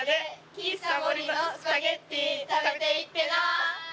「喫茶モリのスパゲッティ食べていってな！」